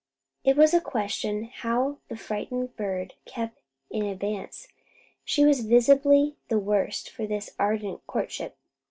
It was a question how the frightened bird kept in advance. She was visibly the worse for this ardent courtship.